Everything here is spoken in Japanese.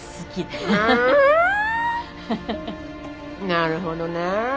なるほどね。